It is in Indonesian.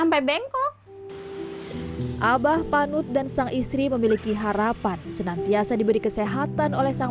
sampai bengkok abah panut dan sang istri memiliki harapan senantiasa diberi kesehatan oleh sang